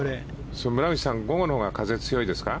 村口さん、午後のほうが風強いですか？